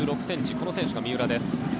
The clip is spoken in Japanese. この選手が三浦です。